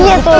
iya tuh pak